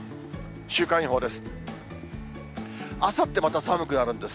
週間予報です。